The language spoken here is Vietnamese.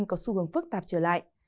có xu hướng phức tạp trở lại